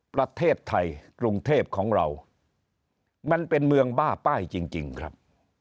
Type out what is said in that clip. ประเทศไทยกรุงเทพของเรามันเป็นเมืองบ้าป้ายจริงครับ